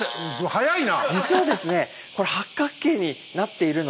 早いな！